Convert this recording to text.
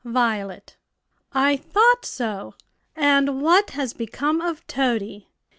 "Violet." "I thought so; and what has become of Toady?"